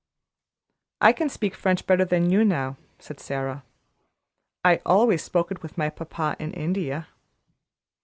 "I can speak French better than you, now," said Sara; "I always spoke it with my papa in India."